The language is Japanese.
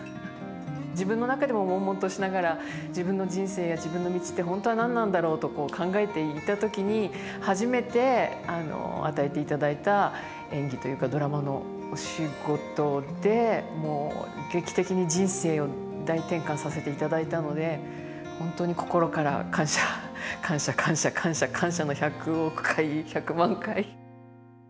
自分の中でももんもんとしながら自分の人生や自分の道って本当は何なんだろうと考えていた時に初めて与えていただいた演技というかドラマのお仕事でもう劇的に人生を大転換させていただいたので本当に心から感謝感謝感謝感謝感謝の１００億回１００万回。